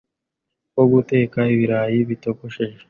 bwo guteka ibirayi bitogosheje